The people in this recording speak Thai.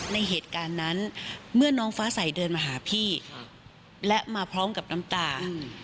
ในเหตุการณ์นั้นเมื่อน้องฟ้าใสเดินมาหาพี่และมาพร้อมกับน้ำตา